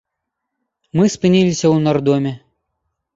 Мы спыніліся ў нардоме.